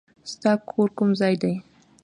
ستا کور کوم ځای دی؟